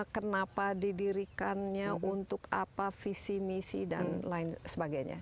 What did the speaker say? kenapa didirikannya untuk apa visi misi dan lain sebagainya